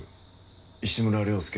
石村良介。